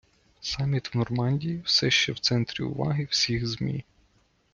Саміт в Нормандії все ще в центрі уваги всіх ЗМІ